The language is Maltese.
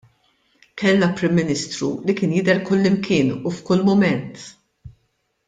Kellna Prim Ministru li kien jidher kullimkien u f'kull mument.